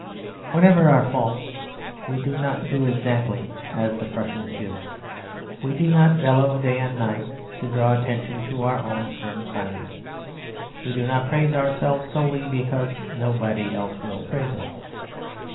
Whatever our faults, we do not do exactly as the Prussians do. We do not bellow day and night to draw attention to our own stern silence. We do not praise ourselves solely because nobody else will praise us.